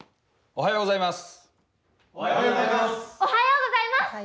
おはようございます。